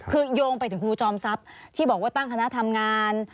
คือโยงไปถึงครูจอมทรัพย์ที่บอกว่าตั้งคณะทำงาน